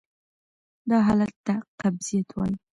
دا حالت ته قبضیت وایې.